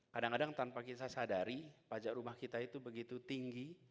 kadang kadang tanpa kita sadari pajak rumah kita itu begitu tinggi